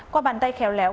qua bàn tay khéo léo